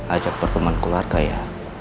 ajak perteman keluarga ya